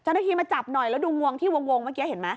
เจ้าหน้าที่มาจับหน่อยแล้วดูงวงที่วงเมื่อกี้เห็นไหม